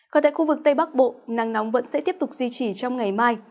còn tại khu vực tây bắc bộ nắng nóng vẫn sẽ tiếp tục duy trì trong ngày mai